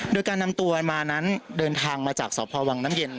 โดยการนำตัวมานั้นเดินทางมาจากสพวังน้ำเย็น